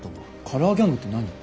カラーギャングって何？